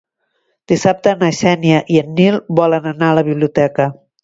Dissabte na Xènia i en Nil volen anar a la biblioteca.